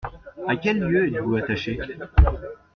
À quel lieu êtes-vous attaché ?